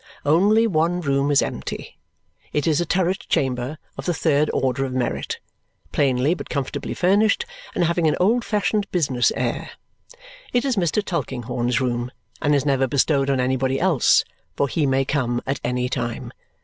Only one room is empty. It is a turret chamber of the third order of merit, plainly but comfortably furnished and having an old fashioned business air. It is Mr. Tulkinghorn's room, and is never bestowed on anybody else, for he may come at any time.